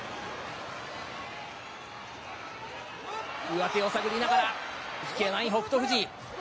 上手を探りながら、引けない、北勝富士。